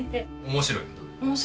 面白い。